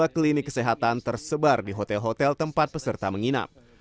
dua puluh klinik kesehatan tersebar di hotel hotel tempat peserta menginap